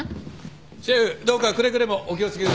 シェフどうかくれぐれもお気を付けください。